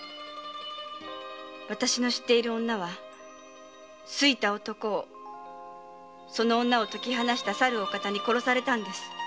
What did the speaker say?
わたしの知っている女は好いた男をその女を解き放したさるお方に殺されたんです。